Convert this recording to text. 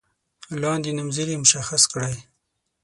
لاندې نومځري مشخص کړئ.